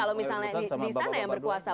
kalau misalnya di sana yang berkuasa